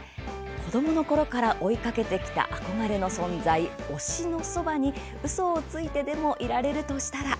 子どものころから追いかけてきた憧れの存在、推しのそばにうそをついてでもいられるとしたら。